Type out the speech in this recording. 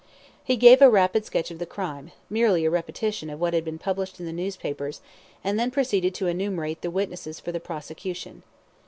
He gave a rapid sketch of the crime merely a repetition of what had been published in the newspapers and then proceeded to enumerate the witnesses for the prosecution.